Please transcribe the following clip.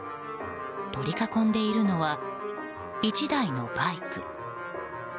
取り囲んでいるのは１台のバイク。